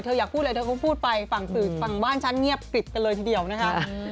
เธอยากพูดอะไรก็พูดไปฝั่งบ้านชั้นเงียบกริดกันเลยทีเดียวนะครับ